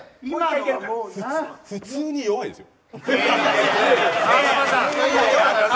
普通に弱いですよ。